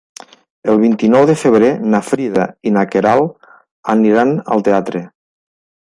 El vint-i-nou de febrer na Frida i na Queralt aniran al teatre.